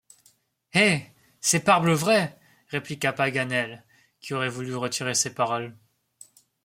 Eh! c’est parbleu vrai ! répliqua Paganel, qui aurait voulu retirer ses paroles.